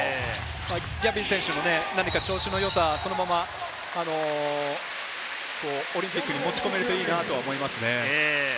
ギャビン選手も調子の良さ、オリンピックに持ち込めるといいなと思いますね。